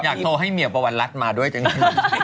อยากโทรให้เมียปวัญรัฐมาด้วยจังงี้